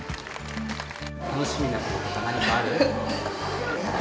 楽しみなこととか何かある？